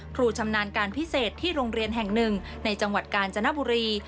ชำนาญการพิเศษที่โรงเรียนแห่งหนึ่งในจังหวัดกาญจนบุรี